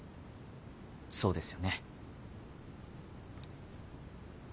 そうですよね。